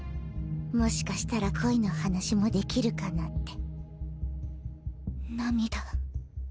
もしかしたら恋の話もできるかなって涙。